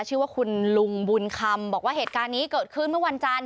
ชื่อว่าคุณลุงบุญคำบอกว่าเหตุการณ์นี้เกิดขึ้นเมื่อวันจันทร์